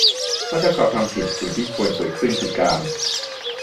เพราะถ้าเขาทำผิด สิ่งที่ควรเกิดขึ้นคือการ